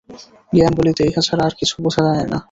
জ্ঞান বলিতে ইহা ছাড়া আর কিছু বুঝায় না।